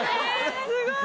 すごい！